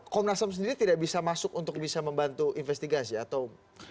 komnas ham sendiri tidak bisa masuk untuk bisa membantu investigasi atau